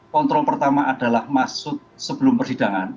kontrol pertama adalah maksud sebelum persidangan